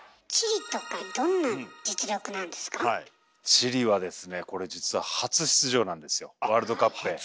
チリはですねこれ実は初出場なんですよワールドカップへ。